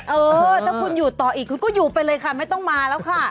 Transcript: เออถ้าคุณอยู่ต่ออีกคุณก็อยู่ไปเลยค่ะไม่ต้องมาแล้วค่ะ